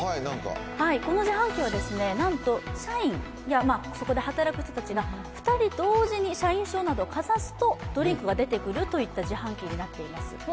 この自販機はなんと社員やそこで働く人たちが２人同時に社員証などをかざすとドリンクが出てくるといった自販機になっています。